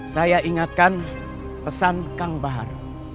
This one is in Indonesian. saya ingatkan pesan kang bahar